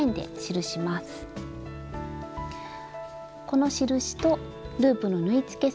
この印とループの縫い付け